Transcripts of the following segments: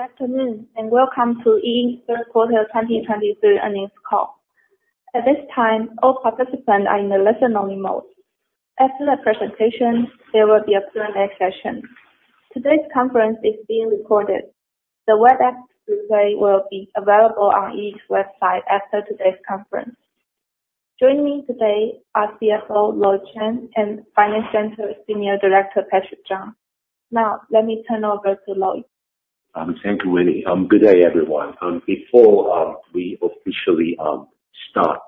Good afternoon and welcome to E Ink Third Quarter 2023 earnings call. At this time, all participants are in the listen-only mode. After the presentation, there will be a Q&A session. Today's conference is being recorded. The webcast replay will be available on E Ink's website after today's conference. Joining me today are CFO Lloyd Chen and Finance Center Senior Director Patrick Chang. Now, let me turn over to Lloyd. Thank you, Winnie. Good day, everyone. Before we officially start,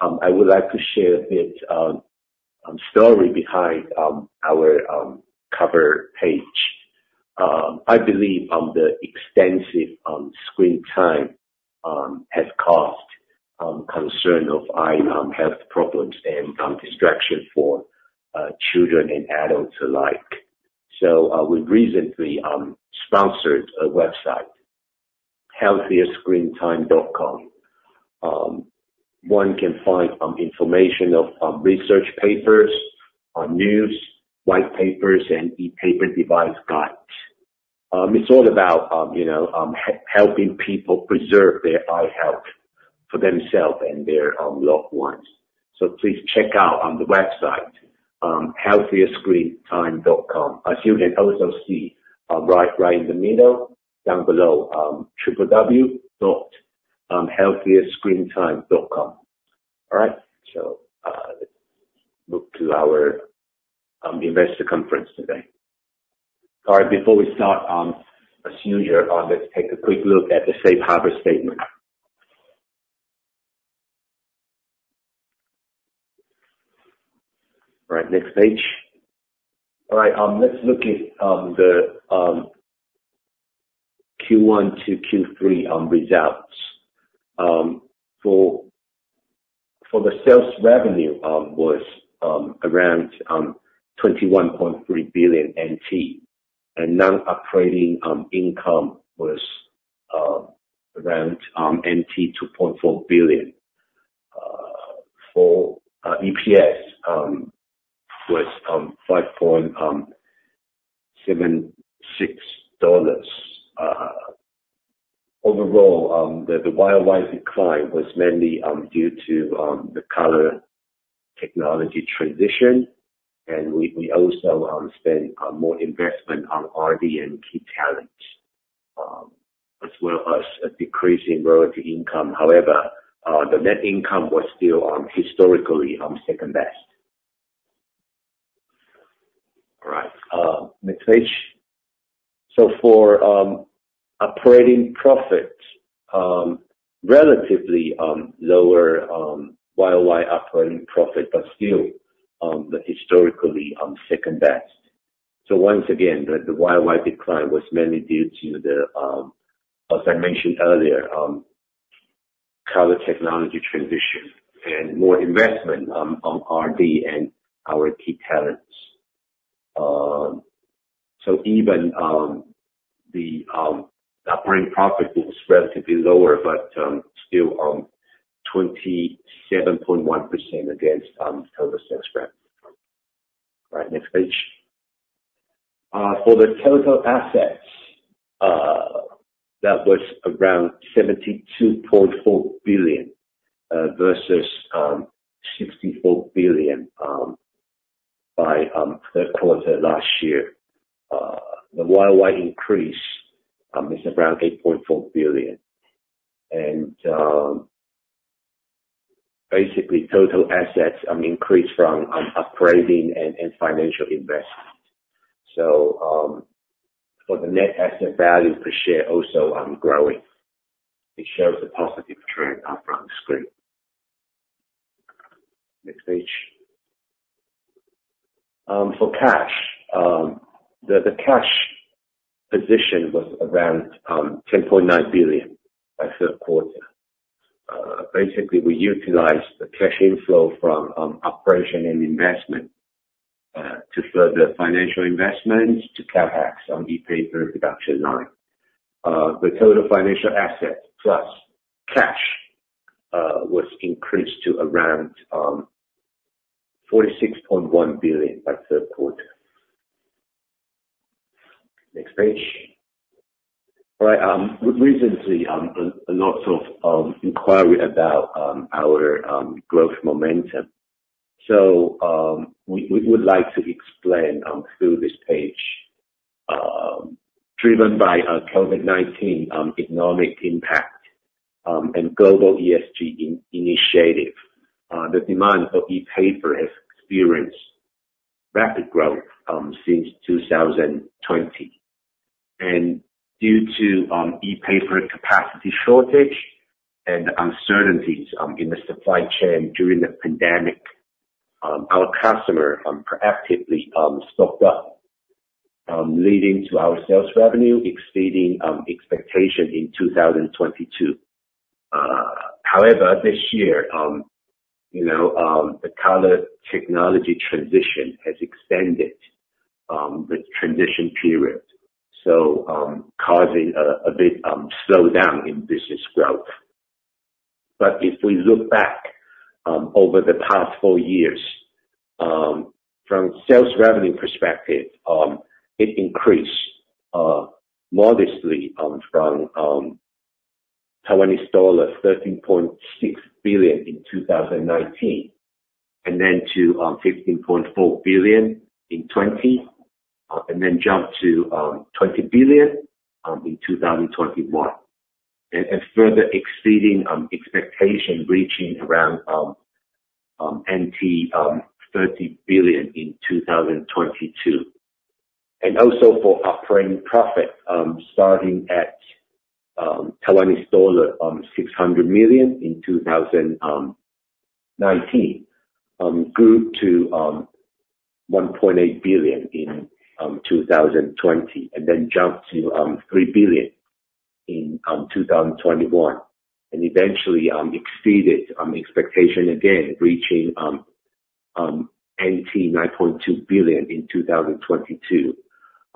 I would like to share a bit of story behind our cover page. I believe the extensive screen time has caused concern of eye health problems and distraction for children and adults alike. So we recently sponsored a website, HealthierScreenTime.com. One can find information of research papers, news, white papers, and ePaper device guides. It's all about helping people preserve their eye health for themselves and their loved ones. So please check out the website, HealthierScreenTime.com. I see you can also see right in the middle, down below, www.HealthierScreenTime.com. All right, so let's move to our investor conference today. All right, before we start, as usual, let's take a quick look at the Safe Harbor statement. All right, next page. All right, let's look at the Q1 to Q3 results. For the sales revenue, it was around 21.3 billion NT, and non-operating income was around TWD 2.4 billion. For EPS, it was $5.76. Overall, the slight decline was mainly due to the color technology transition, and we also spent more investment on R&D and key talent, as well as a decrease in royalty income. However, the net income was still historically second-best. All right, next page. So for operating profit, relatively lower slight operating profit, but still historically second-best. So once again, the slight decline was mainly due to the, as I mentioned earlier, color technology transition and more investment on R&D and our key talents. So even the operating profit was relatively lower, but still 27.1% against total sales revenue. All right, next page. For the total assets, that was around 72.4 billion versus 64 billion in third quarter last year. The slight increase is around 8.4 billion. Basically, total assets increased from operating and financial investments. For the net asset value per share, also growing. It shows a positive trend from the screen. Next page. For cash, the cash position was around 10.9 billion by third quarter. Basically, we utilized the cash inflow from operation and investment to further financial investments to CapEx on ePaper production line. The total financial assets plus cash was increased to around 46.1 billion by third quarter. Next page. All right, recently, a lot of inquiry about our growth momentum. We would like to explain through this page, driven by COVID-19 economic impact and global ESG initiative, the demand for ePaper has experienced rapid growth since 2020. Due to ePaper capacity shortage and the uncertainties in the supply chain during the pandemic, our customers proactively stocked up, leading to our sales revenue exceeding expectations in 2022. However, this year, the color technology transition has extended the transition period, so causing a bit of slowdown in business growth. But if we look back over the past four years, from sales revenue perspective, it increased modestly from dollar 13.6 billion in 2019 and then to 15.4 billion in 2020, and then jumped to 20 billion in 2021, and further exceeding expectations, reaching around 30 billion in 2022. And also for operating profit, starting at 600 million dollar in 2019, grew to 1.8 billion in 2020, and then jumped to 3 billion in 2021, and eventually exceeded expectations again, reaching 9.2 billion in 2022.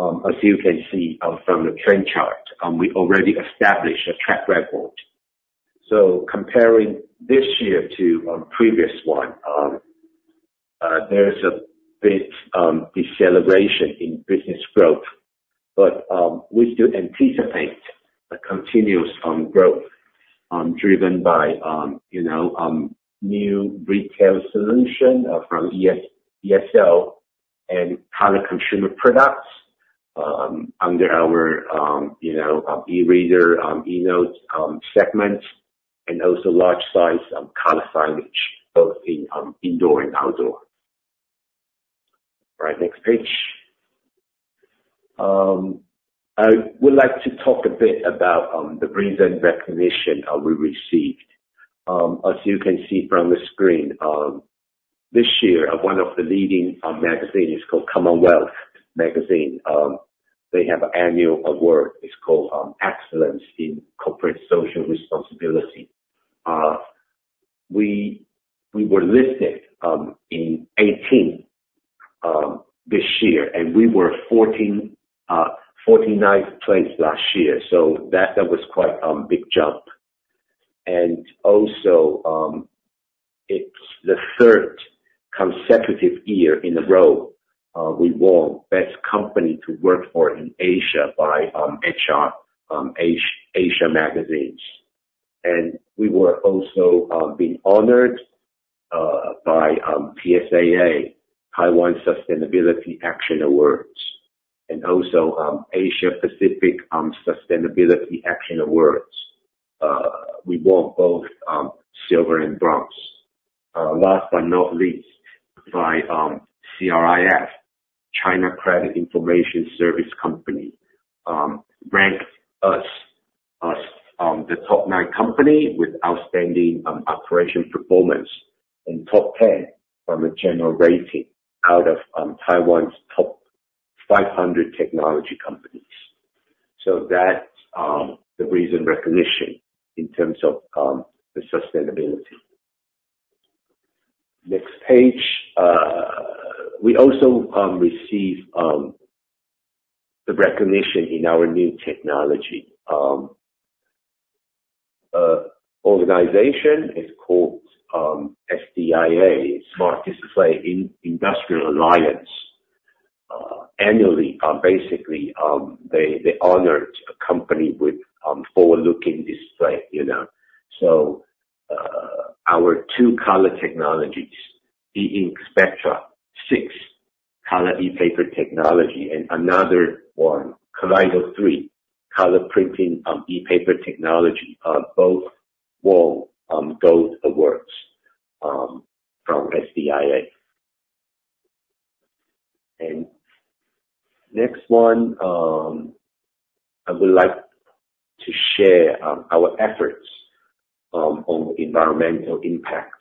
As you can see from the trend chart, we already established a track record. So comparing this year to previous one, there's a bit of deceleration in business growth, but we still anticipate a continuous growth driven by new retail solutions from ESL and color consumer products under our e-reader, e-note segments, and also large-size color signage, both indoor and outdoor. All right, next page. I would like to talk a bit about the recent recognition we received. As you can see from the screen, this year, one of the leading magazines called CommonWealth Magazine, they have an annual award. It's called Excellence in Corporate Social Responsibility. We were listed 18th this year, and we were 49th place last year. So that was quite a big jump. And also, it's the third consecutive year in a row we won Best Company to Work For in Asia by HR Asia magazine. We were also being honored by TCSA, Taiwan Corporate Sustainability Awards, and also APSAA, Asia-Pacific Sustainability Action Awards. We won both silver and bronze. Last but not least, by CRIF China Credit Information Service, ranked us as the top nine company with outstanding operation performance and top 10 from a general rating out of Taiwan's top 500 technology companies. So that's the recent recognition in terms of the sustainability. Next page. We also received the recognition in our new technology organization. It's called SDIA, Smart Display Industrial Alliance. Annually, basically, they honored a company with forward-looking display. So our two color technologies, E Ink Spectra 6 color ePaper technology and another one, Kaleido 3 color printing ePaper technology, both won gold awards from SDIA. Next one, I would like to share our efforts on environmental impact.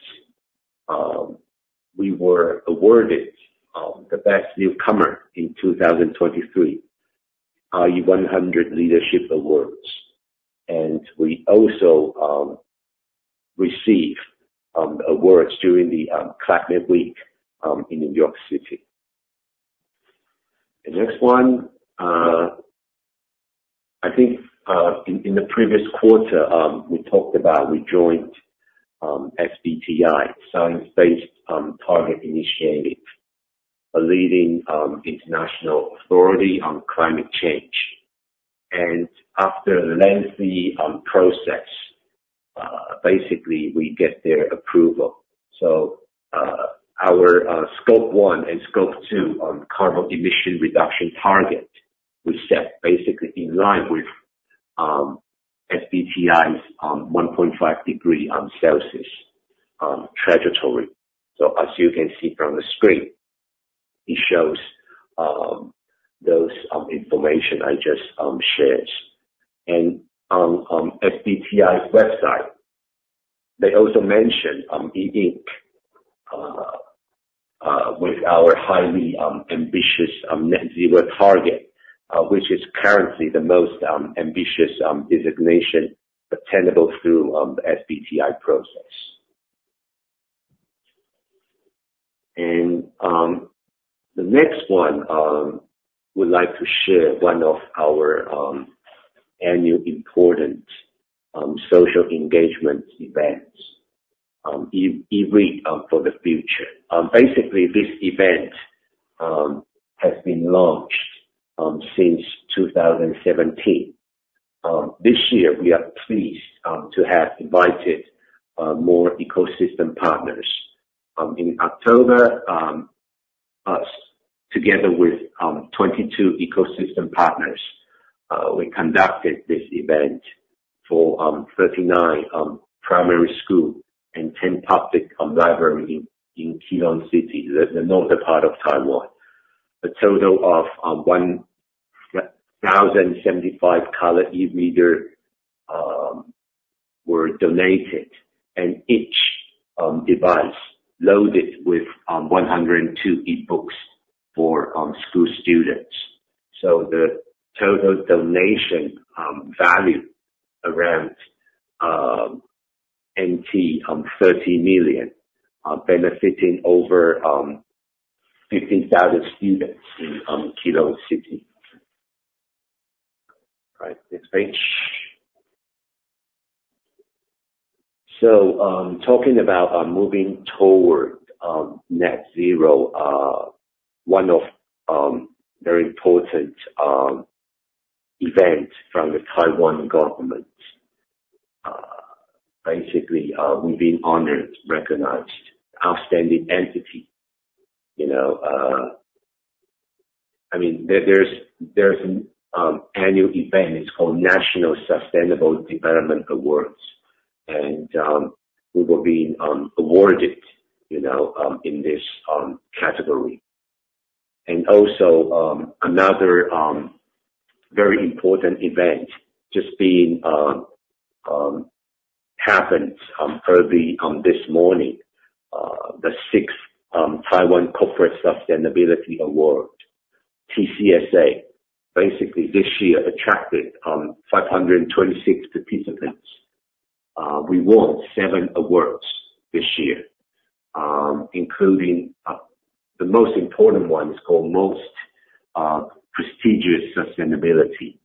We were awarded the Best Newcomer in 2023, RE100 Leadership Awards, and we also received awards during the Climate Week NYC in New York City. The next one, I think in the previous quarter, we talked about we joined SBTi, Science Based Targets initiative, a leading international authority on climate change. After a lengthy process, basically, we get their approval. So our Scope 1 and Scope 2 carbon emission reduction target was set basically in line with SBTi's 1.5-degree Celsius trajectory. So as you can see from the screen, it shows those information I just shared. And on SBTi's website, they also mention E Ink with our highly ambitious net-zero target, which is currently the most ambitious designation attainable through the SBTi process. And the next one, I would like to share one of our annual important social engagement events, eRead for the Future. Basically, this event has been launched since 2017. This year, we are pleased to have invited more ecosystem partners. In October, together with 22 ecosystem partners, we conducted this event for 39 primary schools and 10 public libraries in Keelung City, the northern part of Taiwan. A total of 1,075 color e-readers were donated, and each device loaded with 102 e-books for school students. The total donation value around 30 million benefiting over 15,000 students in Keelung City. All right, next page. Talking about moving toward Net Zero, one of the very important events from the Taiwan government, basically, we've been honored, recognized. Outstanding entity. I mean, there's an annual event. It's called National Sustainable Development Awards, and we were being awarded in this category. Also, another very important event just happened early this morning, the 6th Taiwan Corporate Sustainability Awards, TCSA. Basically, this year, it attracted 526 participants. We won seven awards this year, including the most important one is called Most Prestigious Sustainability,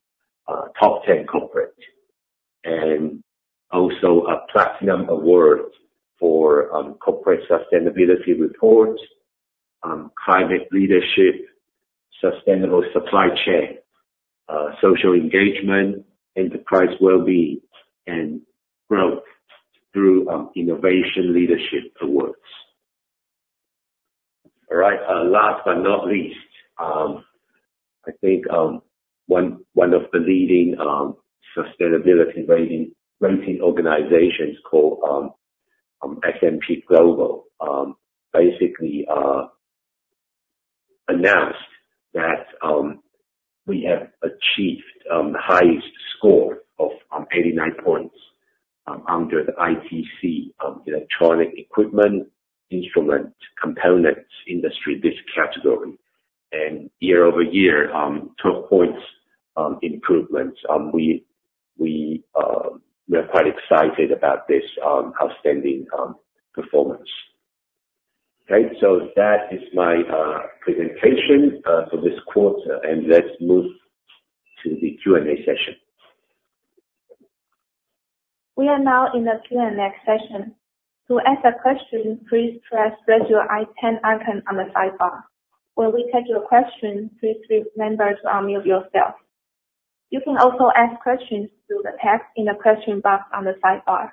Top 10 Corporate, and also a Platinum Award for Corporate Sustainability Reports, Climate Leadership, Sustainable Supply Chain, Social Engagement, Enterprise Wellbeing, and Growth through Innovation Leadership Awards. All right, last but not least, I think one of the leading sustainability rating organizations called S&P Global basically announced that we have achieved the highest score of 89 points under the ITC, Electronic Equipment, Instrument Components Industry, this category, and year-over-year, 12 points improvements. We are quite excited about this outstanding performance. Okay? So that is my presentation for this quarter, and let's move to the Q&A session. We are now in the Q&A session. To ask a question, please press your raise hand icon on the sidebar. When we take your question, please remember to unmute yourself. You can also ask questions through the text in the question box on the sidebar.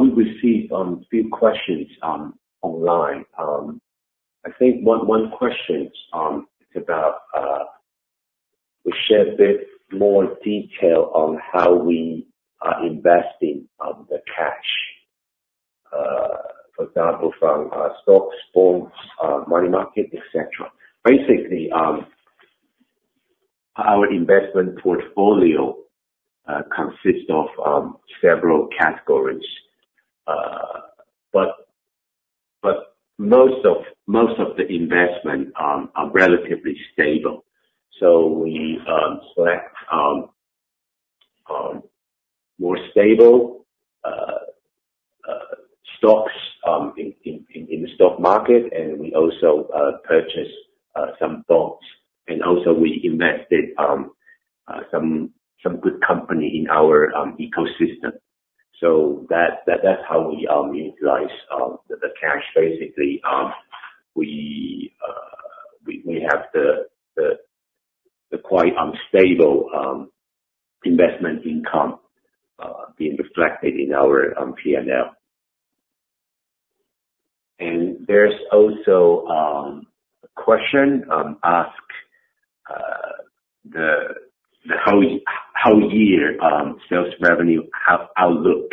We received a few questions online. I think one question is about we shared a bit more detail on how we are investing the cash, for example, from stocks, bonds, money market, etc. Basically, our investment portfolio consists of several categories, but most of the investments are relatively stable. So we select more stable stocks in the stock market, and we also purchase some bonds. And also, we invested some good companies in our ecosystem. So that's how we utilize the cash. Basically, we have the quite stable investment income being reflected in our P&L. And there's also a question asked the whole year sales revenue outlook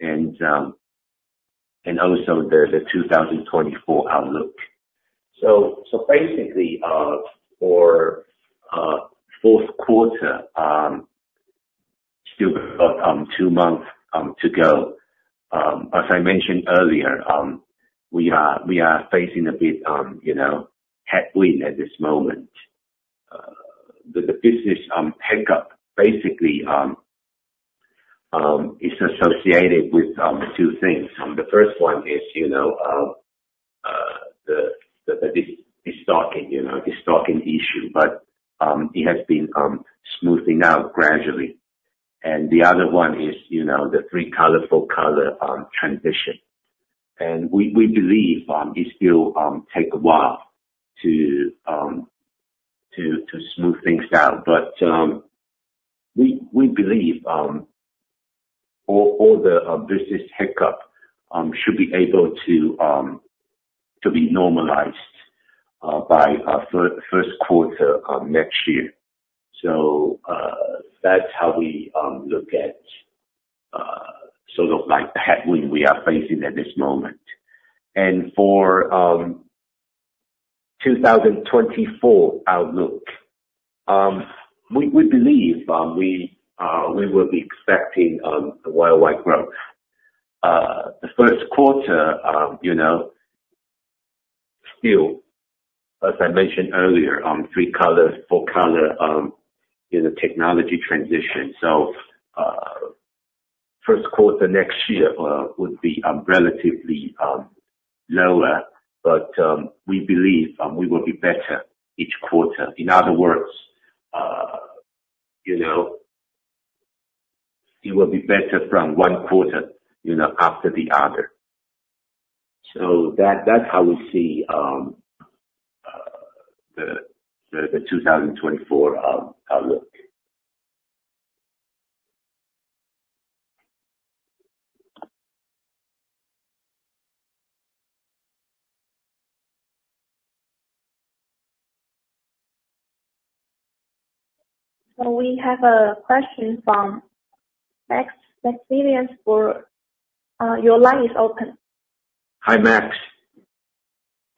and also the 2024 outlook. So basically, for fourth quarter, still about two months to go, as I mentioned earlier, we are facing a bit headwind at this moment. The business hiccup, basically, is associated with two things. The first one is the destocking issue, but it has been smoothing out gradually. And the other one is the three-color full color transition. And we believe it still takes a while to smooth things out, but we believe all the business hiccups should be able to be normalized by first quarter next year. So that's how we look at sort of the headwind we are facing at this moment. And for 2024 outlook, we believe we will be expecting worldwide growth. The first quarter, still, as I mentioned earlier, three-color, four-color technology transition. So first quarter next year would be relatively lower, but we believe we will be better each quarter. In other words, it will be better from one quarter after the other. So that's how we see the 2024 outlook. So we have a question from Max. Your line is open. Hi, Max.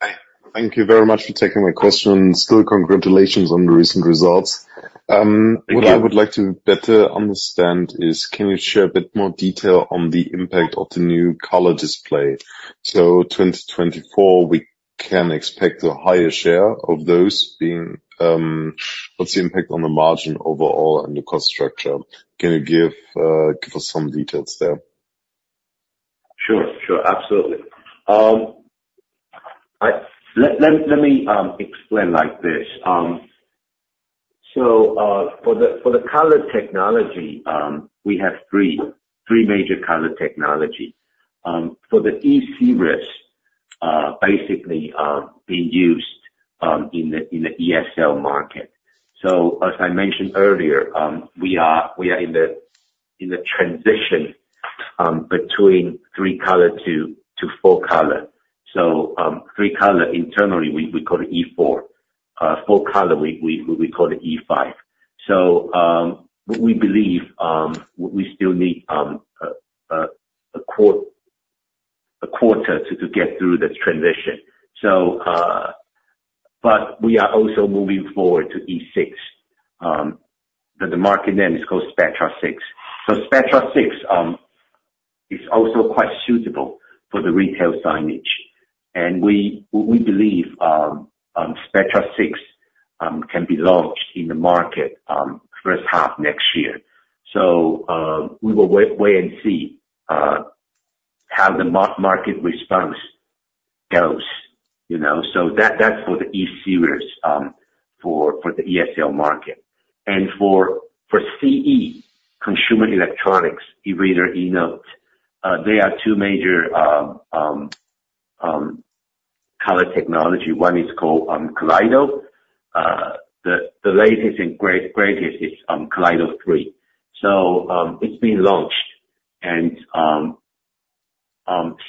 Hi. Thank you very much for taking my question. Still, congratulations on the recent results. What I would like to better understand is, can you share a bit more detail on the impact of the new color display? So 2024, we can expect a higher share of those being what's the impact on the margin overall and the cost structure? Can you give us some details there? Sure. Sure. Absolutely. Let me explain like this. So for the color technology, we have three major color technologies. For the E-series, basically, being used in the ESL market. So as I mentioned earlier, we are in the transition between three-color to four-color. So, three-color, internally, we call it E4. Four-color, we call it E5. So we believe we still need a quarter to get through the transition. But we are also moving forward to E6. The market name is called Spectra 6. So Spectra 6 is also quite suitable for the retail signage. And we believe Spectra 6 can be launched in the market first half next year. So we will wait and see how the market response goes. So that's for the E-series for the ESL market. And for CE, consumer electronics, e-reader, e-note, they are two major color technologies. One is called Kaleido. The latest and greatest is Kaleido 3. So it's been launched, and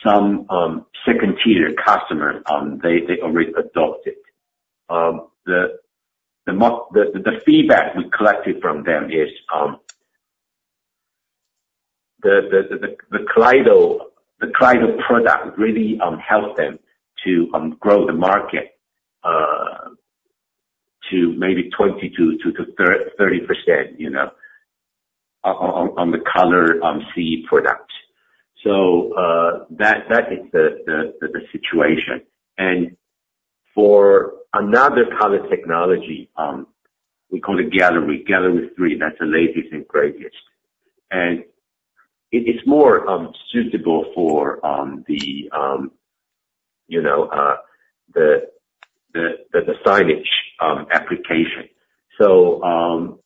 some second-tier customers, they already adopted it. The feedback we collected from them is the Kaleido product really helped them to grow the market to maybe 20%-30% on the color CE product. So that is the situation. And for another color technology, we call it Gallery, Gallery 3. That's the latest and greatest. And it's more suitable for the signage application. So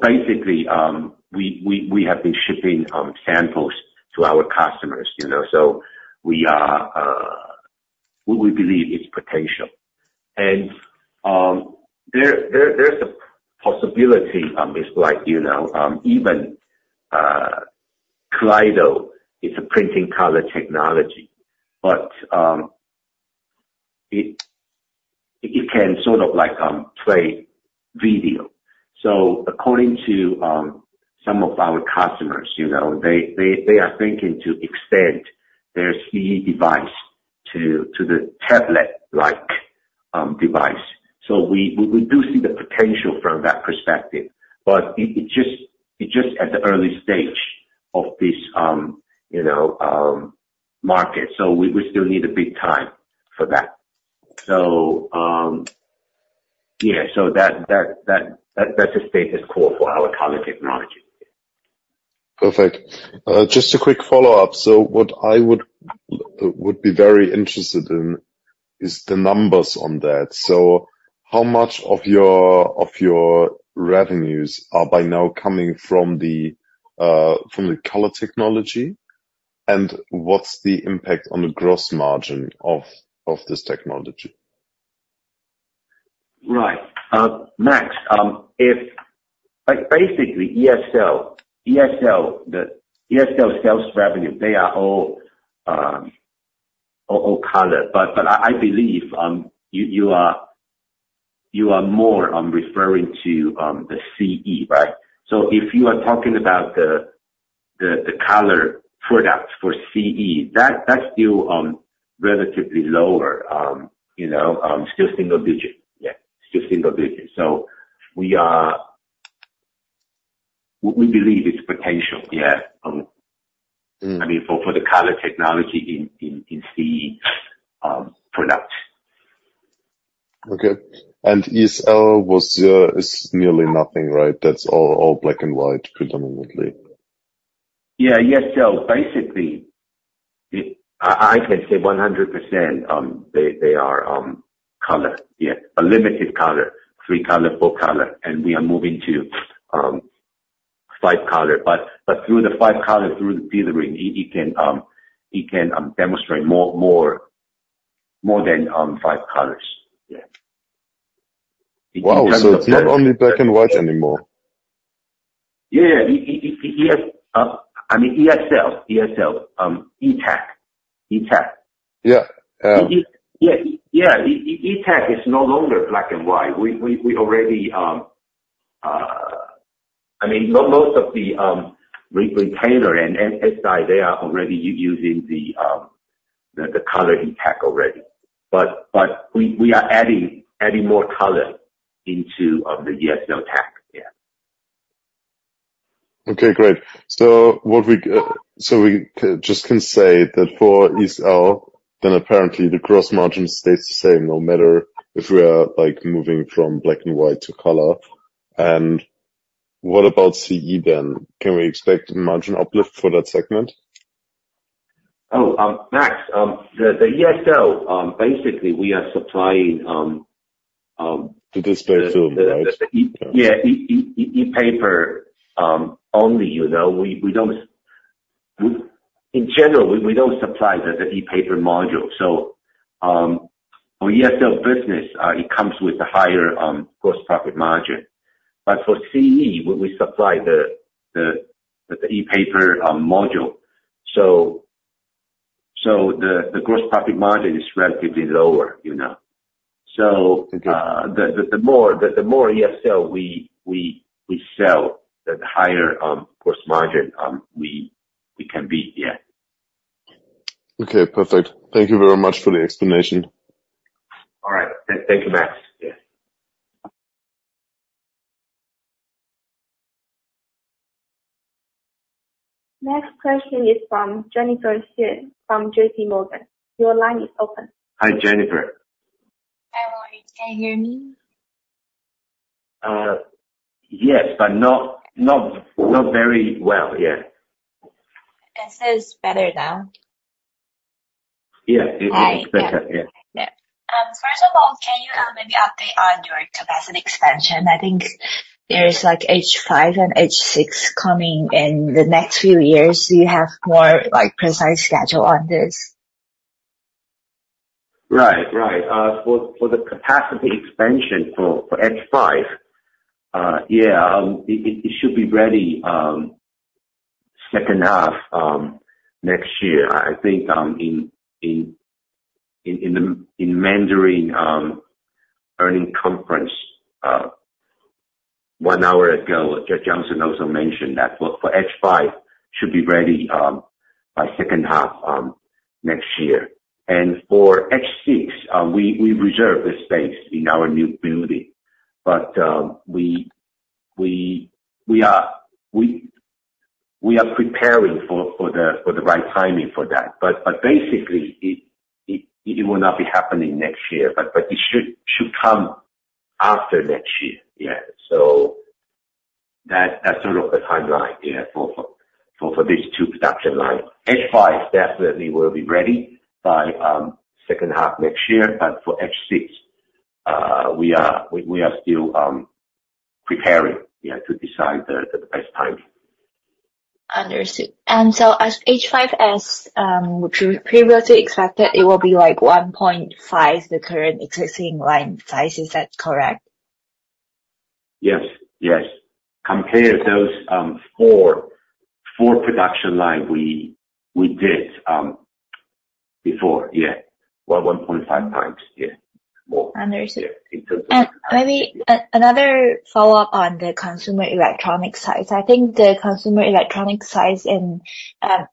basically, we have been shipping samples to our customers. So we believe it's potential. And there's a possibility is like even Kaleido, it's a printing color technology, but it can sort of play video. So according to some of our customers, they are thinking to extend their CE device to the tablet-like device. So we do see the potential from that perspective, but it's just at the early stage of this market. So we still need a bit of time for that. So yeah, so that's the status quo for our color technology. Perfect. Just a quick follow-up. So what I would be very interested in is the numbers on that. So how much of your revenues are by now coming from the color technology, and what's the impact on the gross margin of this technology? Right. Max, basically, ESL, the ESL sales revenue, they are all color. But I believe you are more referring to the CE, right? So if you are talking about the color product for CE, that's still relatively lower, still single digit. Yeah, still single digit. So we believe it's potential, yeah, I mean, for the color technology in CE products. Okay. And ESL is nearly nothing, right? That's all black and white predominantly. Yeah. ESL, basically, I can say 100% they are color, yeah, a limited color, three-color, four-color, and we are moving to five-color. But through the five-color, through the dithering, it can demonstrate more than five colors. Yeah. In terms of the- Wow, so it's not only black and white anymore. Yeah, yeah. I mean, ESL, ESL, e-tag, e-tag. Yeah. Yeah. Yeah. e-tag is no longer black and white. I mean, most of the retailer and SI, they are already using the color e-tag already. But we are adding more color into the ESL tag. Yeah. Okay. Great. So we just can say that for ESL, then apparently, the gross margin stays the same no matter if we are moving from black and white to color. And what about CE then? Can we expect margin uplift for that segment? Oh, Max, the ESL, basically, we are supplying the display film, right? Yeah, ePaper only. In general, we don't supply the ePaper module. So for ESL business, it comes with a higher gross profit margin. But for CE, we supply the ePaper module. So the gross profit margin is relatively lower. So the more ESL we sell, the higher gross margin we can beat. Yeah. Okay. Perfect. Thank you very much for the explanation. All right. Thank you, Max. Yeah. Next question is from Jennifer Hsieh from JPMorgan. Your line is open. Hi, Jennifer. Hi, Lloyd. Can you hear me? Yes, but not very well. Yeah. It says better now. Yeah. It is better. Yeah. Yeah. First of all, can you maybe update on your capacity expansion? I think there's H5 and H6 coming in the next few years. Do you have more precise schedule on this? Right. Right. For the capacity expansion for H5, yeah, it should be ready second half next year. I think in the Mandarin earnings conference one hour ago, Johnson Lee also mentioned that for H5, it should be ready by second half next year. And for H6, we reserve the space in our new building, but we are preparing for the right timing for that. But basically, it will not be happening next year, but it should come after next year. Yeah. So that's sort of the timeline, yeah, for these two production lines. H5 definitely will be ready by second half next year, but for H6, we are still preparing, yeah, to decide the best timing. Understood. And so as H5 is previously expected, it will be 1.5 the current existing line size. Is that correct? Yes. Yes. Compared to those four production lines we did before. Yeah. Well, 1.5x. Yeah. More. Yeah. And maybe another follow-up on the consumer electronics side. I think the consumer electronics side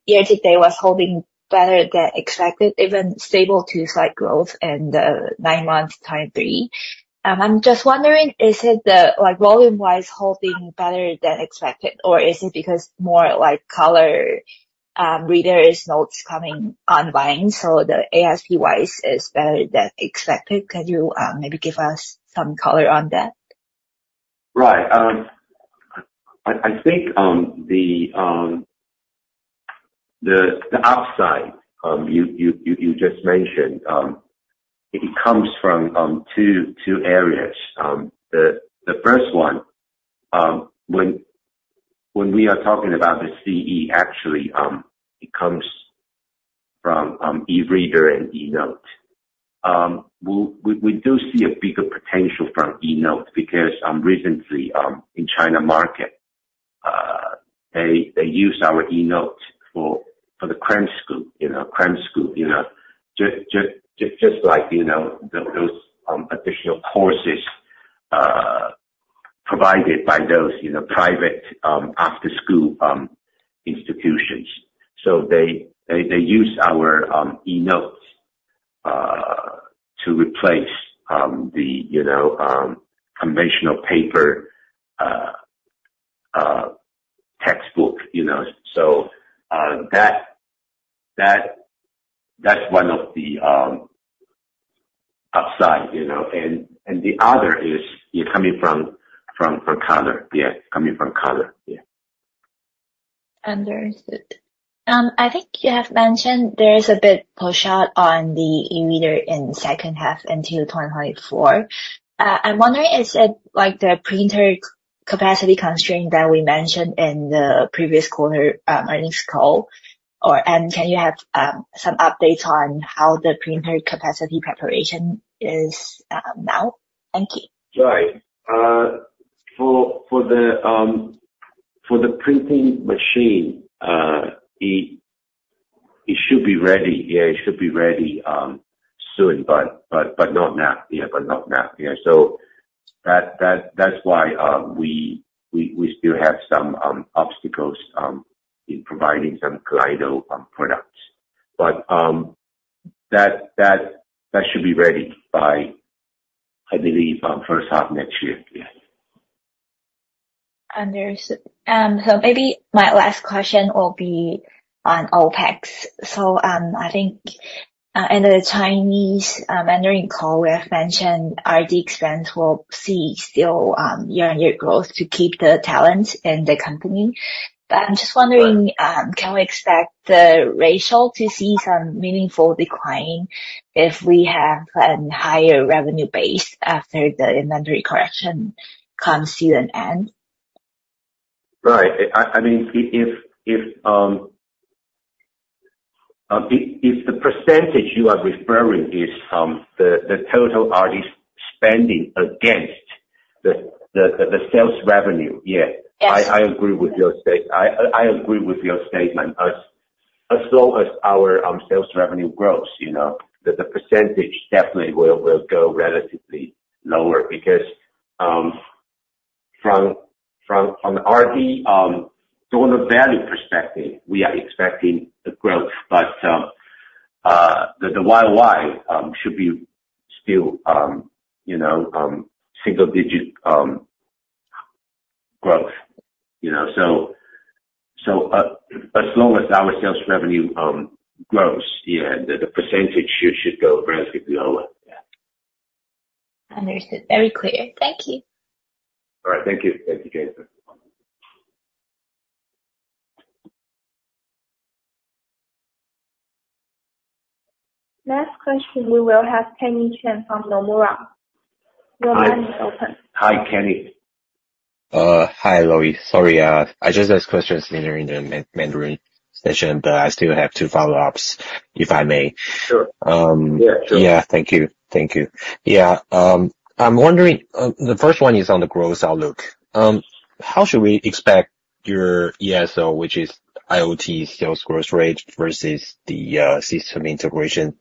year to date was holding better than expected, even stable to slight growth in the nine-month time period. I'm just wondering, is it the volume-wise holding better than expected, or is it because more color readers, notes coming online, so the ASP-wise is better than expected? Can you maybe give us some color on that? Right. I think the upside you just mentioned, it comes from two areas. The first one, when we are talking about the CE, actually, it comes from e-reader and e-note. We do see a bigger potential from e-note because recently, in China market, they use our e-note for the cram school, cram school, just like those additional courses provided by those private after-school institutions. So they use our e-note to replace the conventional paper textbook. So that's one of the upsides. And the other is coming from color. Yeah, coming from color. Yeah. Understood. I think you have mentioned there is a bit of a shot on the e-reader in second half until 2024. I'm wondering, is it the printer capacity constraint that we mentioned in the previous quarter earnings call? And can you have some updates on how the printer capacity preparation is now? Thank you. Right. For the printing machine, it should be ready. Yeah, it should be ready soon, but not now. Yeah, but not now. Yeah. So that's why we still have some obstacles in providing some Kaleido products. But that should be ready by, I believe, first half next year. Yeah. Understood. So maybe my last question will be on OpEx. So I think in the Chinese Mandarin call, we have mentioned R&D expense will see still year-on-year growth to keep the talent in the company. But I'm just wondering, can we expect the ratio to see some meaningful decline if we have a higher revenue base after the inventory correction comes to an end? Right. I mean, if the percentage you are referring is the total RD spending against the sales revenue, yeah, I agree with your statement. As low as our sales revenue grows, the percentage definitely will go relatively lower because from the RD, from the value perspective, we are expecting growth, but the YOY should be still single-digit growth. So as long as our sales revenue grows, yeah, the percentage should go relatively lower. Yeah. Understood. Very clear. Thank you. All right. Thank you. Thank you, Jennifer. Next question, we will have Kenny Chen from Nomura. Your line is open. Hi, Kenny. Hi, Lloyd. Sorry, I just asked questions later in the Mandarin session, but I still have two follow-ups, if I may. Sure. Yeah. Sure. Yeah. Thank you. Thank you. Yeah. I'm wondering, the first one is on the growth outlook. How should we expect your ESL, which is IoT sales growth rate, versus the system integration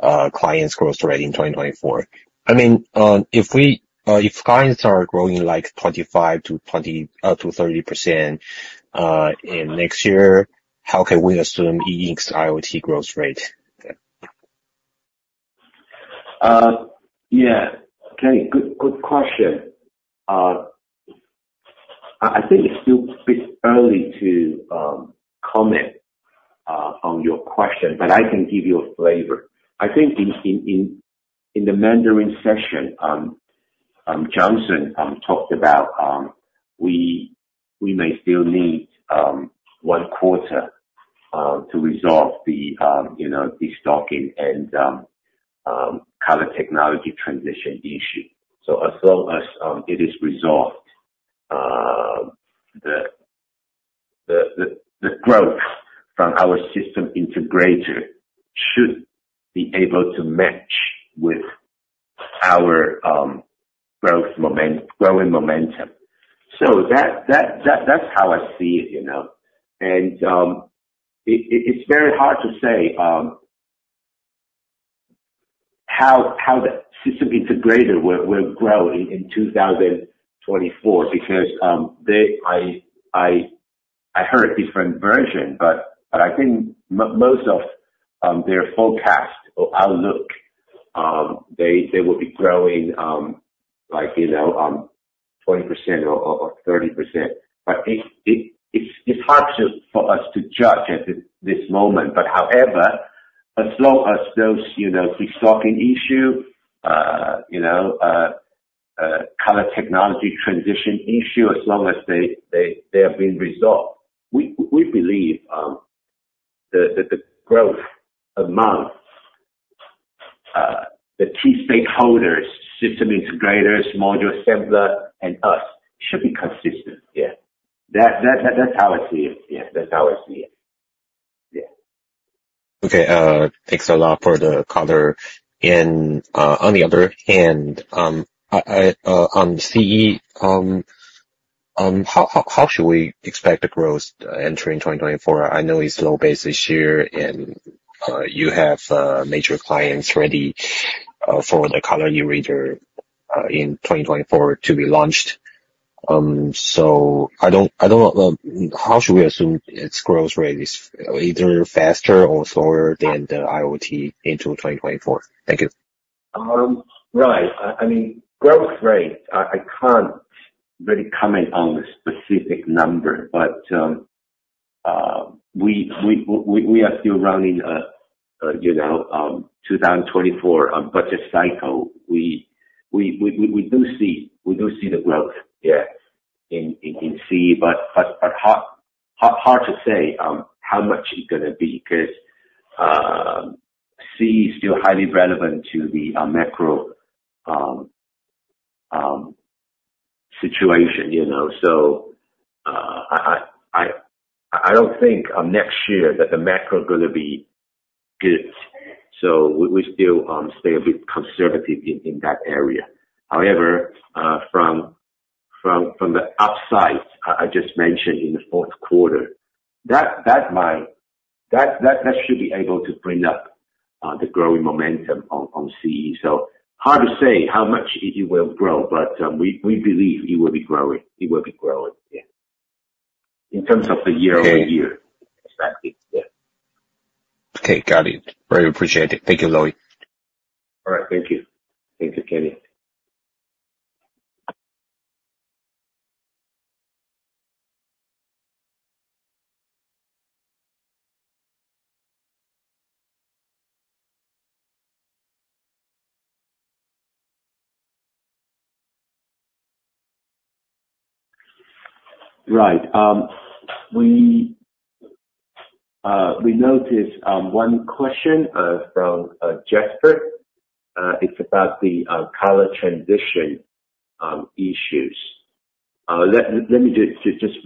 clients' growth rate in 2024? I mean, if clients are growing 25%-30% in next year, how can we assume E Ink's IoT growth rate? Yeah. Kenny, good question. I think it's still a bit early to comment on your question, but I can give you a flavor. I think in the Mandarin session, Johnson talked about we may still need one quarter to resolve the stocking and color technology transition issue. So as long as it is resolved, the growth from our system integrator should be able to match with our growing momentum. So that's how I see it. And it's very hard to say how the system integrator will grow in 2024 because I heard different versions, but I think most of their forecast or outlook, they will be growing 20% or 30%. But it's hard for us to judge at this moment. But however, as long as those restocking issue, color technology transition issue, as long as they have been resolved, we believe that the growth among the key stakeholders, system integrators, module assembler, and us, should be consistent. Yeah. That's how I see it. Yeah. That's how I see it. Yeah. Okay. Thanks a lot for the color. And on the other hand, on CE, how should we expect the growth entering 2024? I know it's low base this year, and you have major clients ready for the color e-reader in 2024 to be launched. So how should we assume its growth rate is either faster or slower than the IoT into 2024? Thank you. Right. I mean, growth rate, I can't really comment on the specific number, but we are still running a 2024 budget cycle. We do see the growth, yeah, in CE, but hard to say how much it's going to be because CE is still highly relevant to the macro situation. So I don't think next year that the macro is going to be good. So we still stay a bit conservative in that area. However, from the upside I just mentioned in the fourth quarter, that should be able to bring up the growing momentum on CE. So hard to say how much it will grow, but we believe it will be growing. It will be growing. Yeah. In terms of the year-on-year. Okay. Exactly. Yeah. Okay. Got it. Very appreciated. Thank you, Lloyd. All right. Thank you. Thank you, Kenny. Right. We noticed one question from Jesper. It's about the color transition issues. Let me just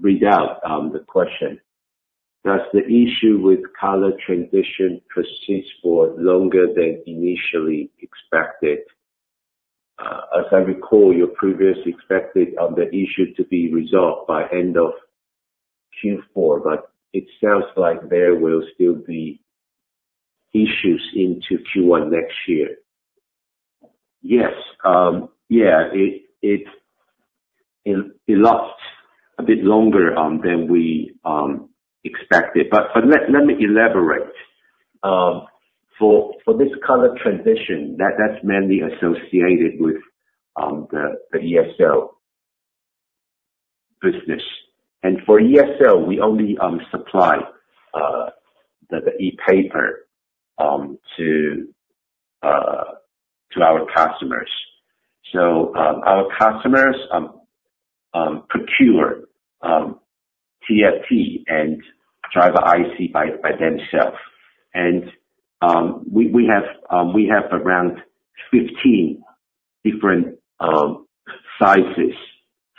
read out the question. "Does the issue with color transition persist for longer than initially expected?" As I recall, you previously expected the issue to be resolved by end of Q4, but it sounds like there will still be issues into Q1 next year. Yes. Yeah. It took a bit longer than we expected. But let me elaborate. For this color transition, that's mainly associated with the ESL business. And for ESL, we only supply the ePaper to our customers. So our customers procure TFT and driver IC by themselves. And we have around 15 different sizes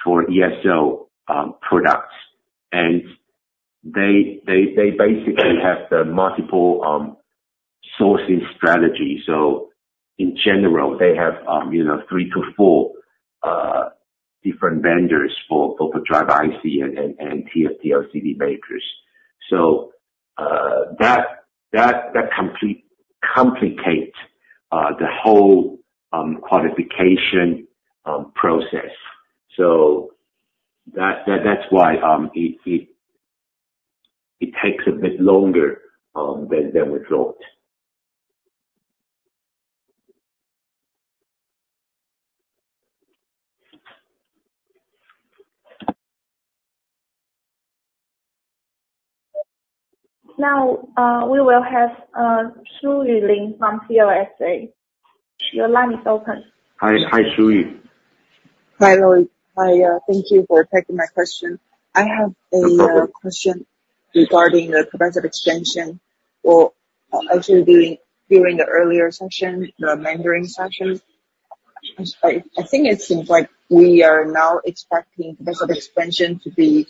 for ESL products. And they basically have the multiple sourcing strategies. So in general, they have three to four different vendors for driver IC and TFT LCD makers. So that complicates the whole qualification process. So that's why it takes a bit longer than we thought. Now, we will have [Shih-yi Lin from CLSA]. Your line is open. Hi, Shih-yi. Hi, Lloyd. Hi. Thank you for taking my question. I have a question regarding the capacity expansion. Well, actually, during the earlier session, the Mandarin session, I think it seems like we are now expecting capacity expansion to be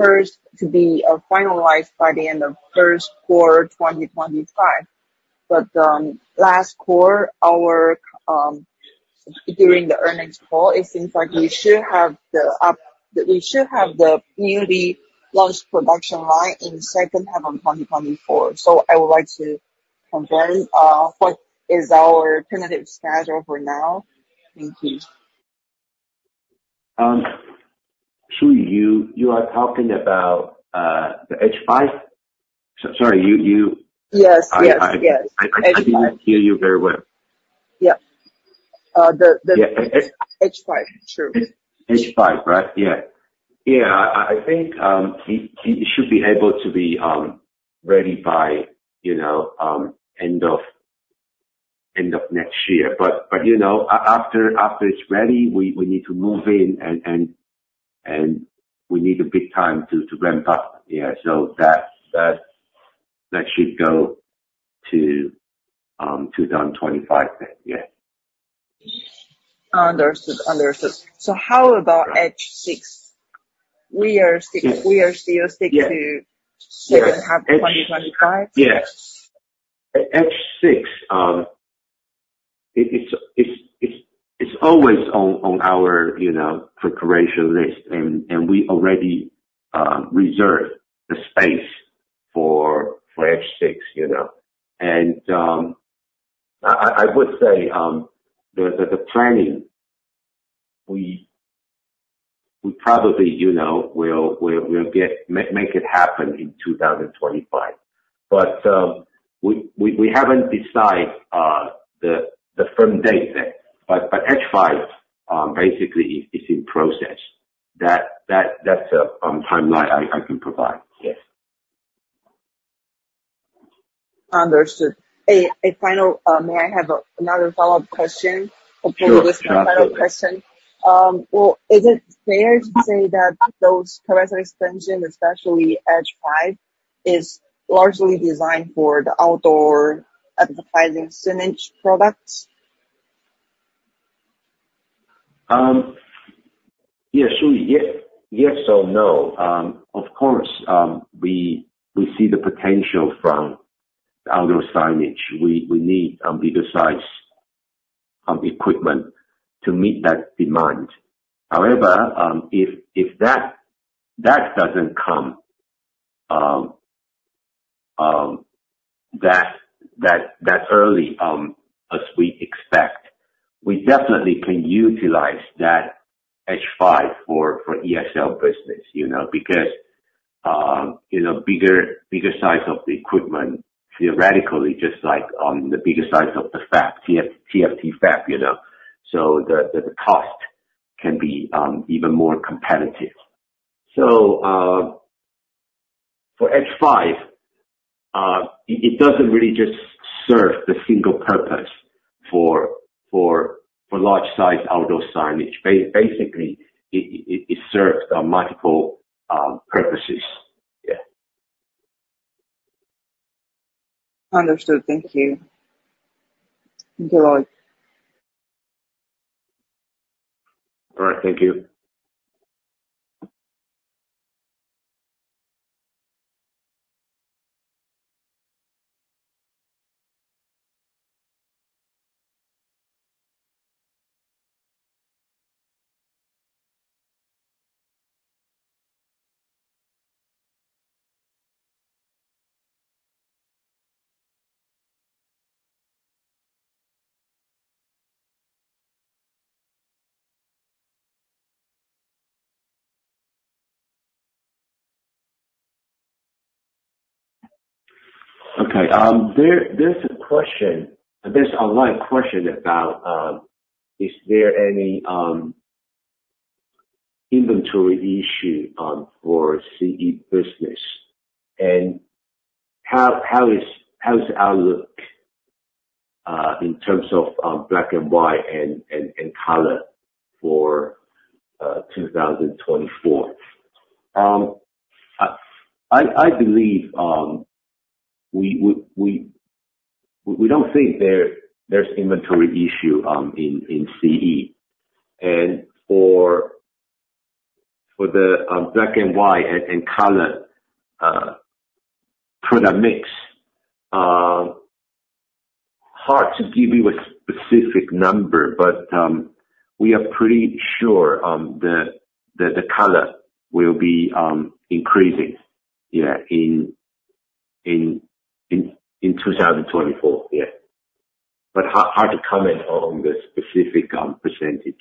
finalized by the end of first quarter 2025. But last quarter, during the earnings call, it seems like we should have the we should have the newly launched production line in second half of 2024. So I would like to confirm what is our tentative schedule for now. Thank you. Shih-yi, you are talking about the H5? Sorry, you- Yes. Yes. Yes. I do hear you very well. Yep. The H5. True. H5, right? Yeah. Yeah. I think it should be able to be ready by end of next year. But after it's ready, we need to move in, and we need a bit of time to ramp up. Yeah. So that should go to 2025 then. Yeah. Understood. Understood. So how about H6? We are still sticking to second half 2025? Yes. H6, it's always on our preparation list, and we already reserve the space for H6. And I would say the planning, we probably will make it happen in 2025. But we haven't decided the firm date yet. But H5, basically, is in process. That's a timeline I can provide. Yes. Understood. A final, may I have another follow-up question before we discuss final question? Sure. Well, is it fair to say that those capacity expansion, especially H5, is largely designed for the outdoor advertising signage products? Yeah, Shih-yi. Yes or no. Of course, we see the potential from the outdoor signage. We need bigger-sized equipment to meet that demand. However, if that doesn't come that early as we expect, we definitely can utilize that H5 for ESL business because bigger size of the equipment, theoretically, just like the bigger size of the TFT fab, so the cost can be even more competitive. So for H5, it doesn't really just serve the single purpose for large-sized outdoor signage. Basically, it serves multiple purposes. Yeah. Understood. Thank you. All right. Thank you. Okay. There's a question, a best online question about, "Is there any inventory issue for CE business? And how is the outlook in terms of black and white and color for 2024? I believe we don't think there's inventory issue in CE. And for the black and white and color product mix, hard to give you a specific number, but we are pretty sure that the color will be increasing in 2024. Yeah. But hard to comment on the specific percentage.